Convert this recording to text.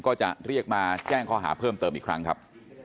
ก็จะเรียกมาแจ้งข้อหาเพิ่มเติมอีกครั้งครับ